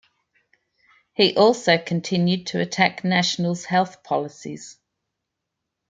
He also continued to attack National's health policies.